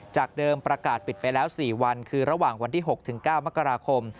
จากเดิมประกาศปิดไปแล้ว๔วันคือระหว่างวันที่๖๙มกราคม